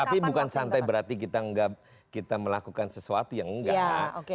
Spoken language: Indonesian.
tapi bukan santai berarti kita melakukan sesuatu yang enggak